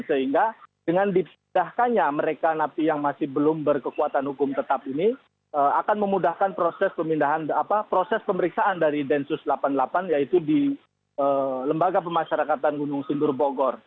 sehingga dengan dipindahkannya mereka napi yang masih belum berkekuatan hukum tetap ini akan memudahkan proses pemeriksaan dari densus delapan puluh delapan yaitu di lembaga pemasyarakatan gunung sindur bogor